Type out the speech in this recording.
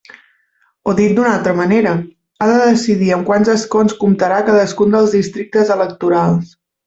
O dit d'una altra manera, ha de decidir amb quants escons comptarà cadascun dels districtes electorals.